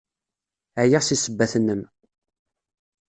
Ɛyiɣ seg ssebbat-nnem!